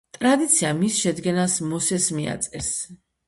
ტრადიცია მის შედგენას მოსეს მიაწერს.